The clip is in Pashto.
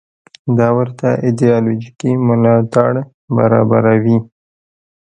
دا ورته ایدیالوژیکي ملاتړ برابروي.